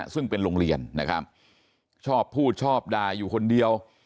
ซึ่งเป็นโรงเรียนนะครับชอบพูดชอบด่าอยู่คนเดียว